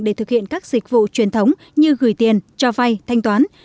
để thực hiện các dịch vụ truyền thống như gửi tiền cho vay thanh toán